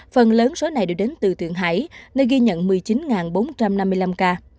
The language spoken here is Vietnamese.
phần lớn số này đều đến từ thượng hải nơi ghi nhận một mươi chín bốn trăm năm mươi năm ca